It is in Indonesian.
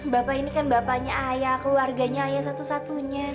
bapak ini kan bapaknya ayah keluarganya ayah satu satunya